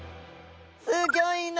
すギョいな。